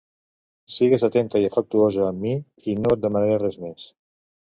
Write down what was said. Sigues atenta i afectuosa amb mi i no et demanaré res més.